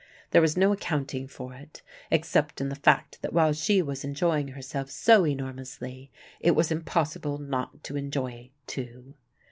There was no accounting for it, except in the fact that while she was enjoying herself so enormously, it was impossible not to enjoy too.